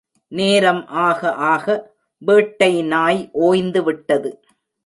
நேரம் ஆகஆக வேட்டை நாய் ஒய்ந்து விட்டது.